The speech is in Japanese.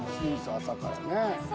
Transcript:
朝からね。